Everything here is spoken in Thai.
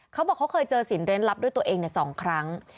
เขาบอกเขาเคยเจอสินเร้นลับด้วยตัวเอง๒ครั้ง